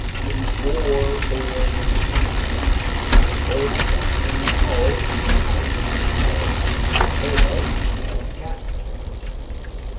_ A boar or he cat, from the old Saxon carle or karle, a male, and cat.